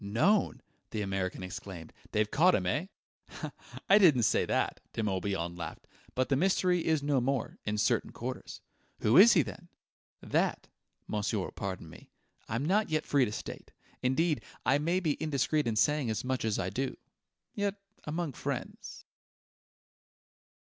"Known!" the American exclaimed. "They've caught him, eh?" "I didn't say that," De Morbihan laughed; "but the mystery is no more in certain quarters." "Who is he, then?" "That monsieur will pardon me I'm not yet free to state. Indeed, I may be indiscreet in saying as much as I do. Yet, among friends..."